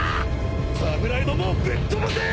侍どもをぶっ飛ばせ！